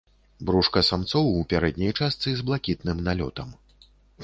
Брушка самцоў у пярэдняй частцы з блакітным налётам.